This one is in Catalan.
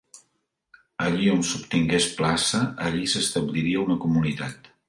Allí on s'obtingués plaça, allí s'establiria una comunitat.